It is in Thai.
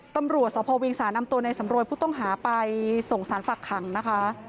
ตำรวจสพเวียงสานำตัวในสำรวยผู้ต้องหาไปส่งสารฝักขังนะคะ